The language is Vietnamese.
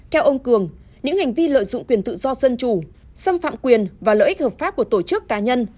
theo ông cường những hành vi lợi dụng quyền tự do dân chủ xâm phạm quyền và lợi ích hợp pháp của tổ chức cá nhân